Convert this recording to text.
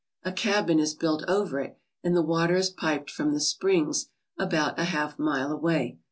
A cabin is built over it and the water is piped from the springs about a half mile away.